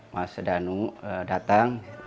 mas danu datang